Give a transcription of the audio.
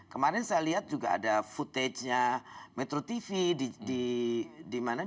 kemarin saya lihat juga ada footage nya metro tv di jepara yang tidak pakai cantrang juga tangkapannya bagus